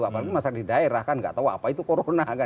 apalagi masyarakat di daerah kan enggak tahu apa itu corona kan gitu